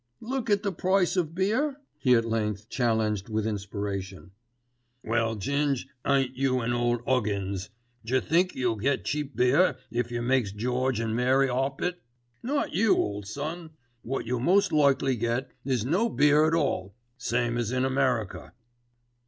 "Look at the price of beer?" he at length challenged with inspiration. "Well, Ging, ain't you an ole 'uggins. 'Jer think you'll get cheap beer if yer makes George and Mary 'op it? Not you, ole son. Wot you'll most likely get is no beer at all, same as in America."